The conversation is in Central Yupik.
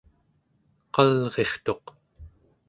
qalrirtuq